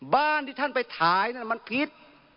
บ้านที่ท่านไปถ่ายมันผิด